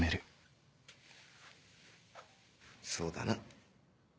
そうだな。